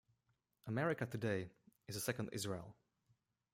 America today is a second Israel.